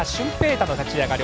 大の立ち上がり。